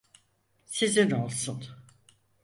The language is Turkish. Sizin olsun.